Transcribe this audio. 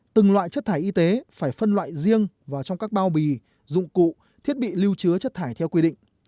từng loại chất thải y tế phải phân loại riêng vào trong các bao bì dụng cụ thiết bị lưu chứa chất thải theo quy định